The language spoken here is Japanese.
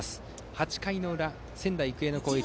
８回裏、仙台育英の攻撃。